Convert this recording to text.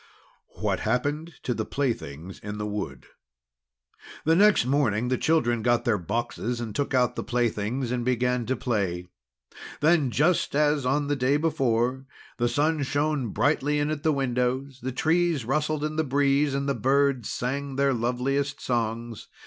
WHAT HAPPENED TO THE PLAYTHINGS IN THE WOOD The next morning, the children got their boxes and took out the playthings, and began to play. Then, just as on the day before, the sun shone brightly in at the window, the trees rustled in the breeze, and the birds sang their loveliest songs.